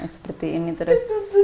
seperti ini terus